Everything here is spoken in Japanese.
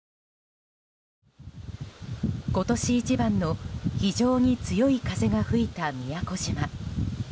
今年一番の非常に強い風が吹いた宮古島。